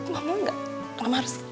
mama enggak mama harus